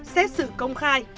xét xử công khai